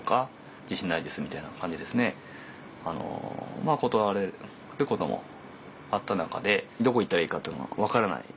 まあ断られることもあった中でどこ行ったらいいかって分からない。